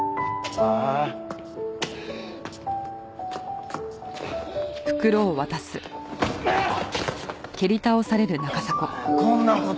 ああっ！